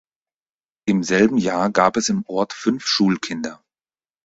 Im selben Jahr gab es im Ort fünf Schulkinder.